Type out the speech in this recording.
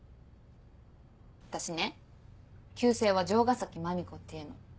私ね旧姓は城ヶ崎マミコっていうの。